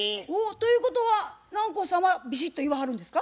ということは南光さんはビシッと言わはるんですか？